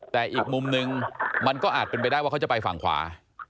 แต่อีกมุมนึงมันก็อาจเป็นไปได้ว่าเขาจะไปฝั่งขวา